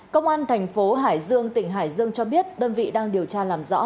công an tp hải dương tỉnh hải dương cho biết đơn vị đang điều tra làm rõ